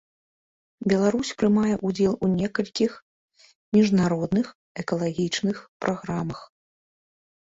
Беларусь прымае ўдзел ў некалькіх міжнародных экалагічных праграмах.